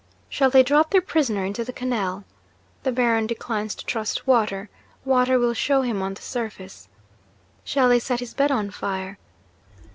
Shall they drop their prisoner into the canal? The Baron declines to trust water; water will show him on the surface. Shall they set his bed on fire?